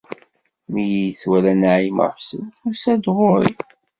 Mi iyi-twala Naɛima u Ḥsen, tusa-d ɣer-i.